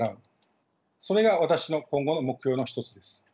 それが私の今後の目標の一つです。